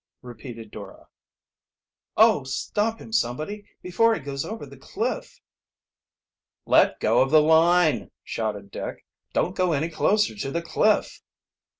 repeated Dora. "Oh, stop him somebody, before he goes over the cliff!" "Let go of the line!" shouted Dick. "Don't go any closer to the cliff!"